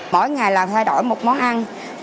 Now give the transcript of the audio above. mỗi ngày là thay đổi một món ăn